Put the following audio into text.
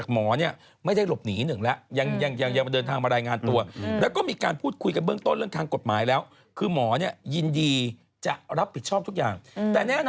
เกี่ยวอย่างมีคุณทรอยงานก็จะมีคุณทรอยงานที่จะใช้โตก่อน